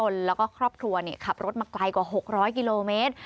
แล้วก็ครอบครัวขับรถมาไกลกว่า๖๐๐กิโลเมตร